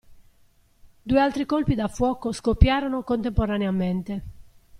Due altri colpi da fuoco scoppiarono contemporaneamente.